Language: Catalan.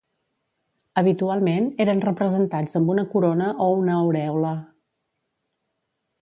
Habitualment eren representats amb una corona o una aurèola.